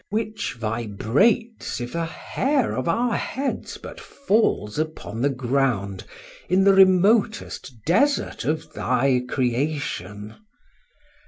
which vibrates, if a hair of our heads but falls upon the ground, in the remotest desert of thy creation.